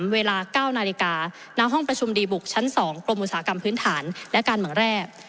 เวลา๙นาฬิกาณห้องประชุมดีบุกชั้น๒กรมอุตสาหกรรมพื้นฐานและการเมืองแรก